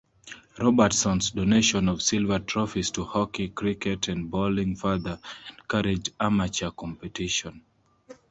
Robertson's donation of silver trophies to hockey, cricket, and bowling further encouraged amateur competition.